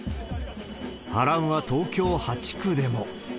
波乱は東京８区でも。